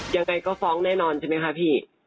ยังไงก็ฟ้องแน่นอนใช่ไหมคะพี่